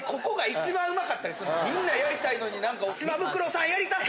みんなやりたいのに。